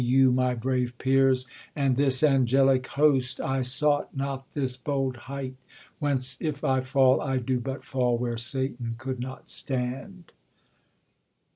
You, my brave peers, and this angelic liost, I sought not this bold height, whence if I fall, 1 do but fall where Satan could not stand.